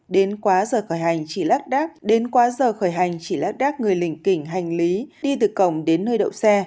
đến quá giờ khởi hành chỉ lát đát người lĩnh kỉnh hành lý đi từ cổng đến nơi đậu xe